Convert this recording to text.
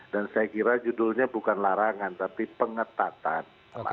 dan saya kira judulnya bukan larangan tapi pengetatan